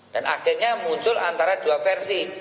dan akhirnya muncul antara dua versi